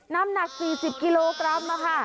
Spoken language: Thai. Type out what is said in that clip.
น้ำหนัก๔๐กิโลกรัมค่ะ